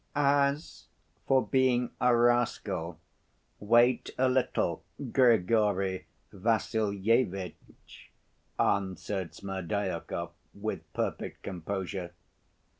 "As for being a rascal, wait a little, Grigory Vassilyevitch," answered Smerdyakov with perfect composure.